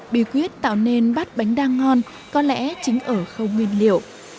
bí quyết tạo nên bát bánh đa ngon có lẽ chính ở khâu nguyên liệu